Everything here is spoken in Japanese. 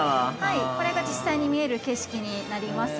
これが実際に見える景色になります。